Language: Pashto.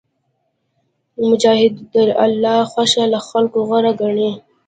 مجاهد د الله خوښه له خلکو غوره ګڼي.